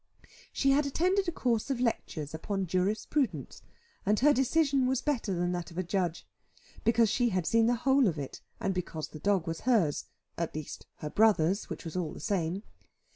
She had attended a course of lectures upon jurisprudence, and her decision was better than that of a judge, because she had seen the whole of it, and because the dog was hers at least her brother's, which was all the same.